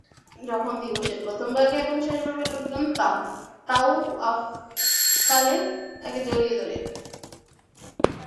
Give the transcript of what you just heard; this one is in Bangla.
যখন দিবসের প্রথমভাগে ও শেষভাগে লোকজন তাওয়াফকালে তাকে জড়িয়ে ধরে।